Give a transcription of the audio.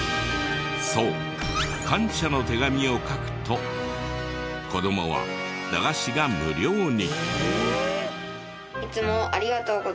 そう感謝の手紙を書くと子どもは駄菓子が無料に。